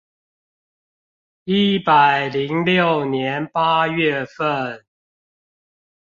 一百零六年八月份